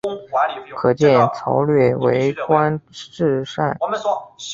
可见曹摅为官善治。